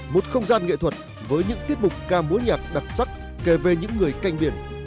một không gian nghệ thuật với những tiết mục ca mối nhạc đặc sắc kể về những người canh biển